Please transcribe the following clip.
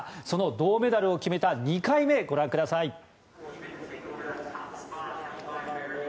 その銅メダルを決めた２回目ご覧ください。